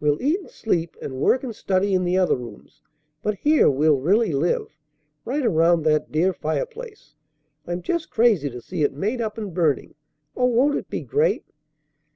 We'll eat and sleep and work and study in the other rooms; but here we'll really live, right around that dear fireplace. I'm just crazy to see it made up and burning. Oh, won't it be great?"